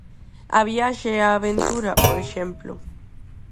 A viaxe e a aventura, por exemplo.